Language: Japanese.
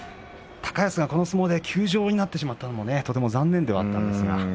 高安はこの相撲で休場になってしまったのもとても残念ですね。